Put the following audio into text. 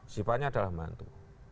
sifatnya adalah membantu